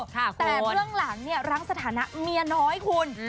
แต่เรื่องหลังรังสถานะเมียน้อยคุณ